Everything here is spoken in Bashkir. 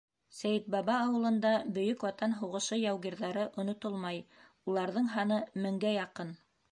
Сәйетбаба ауылында Бөйөк Ватан һуғышы яугирҙәре онотолмай — уларҙың һаны меңгә яҡын.